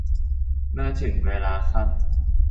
เมื่อถึงเวลาค่ำ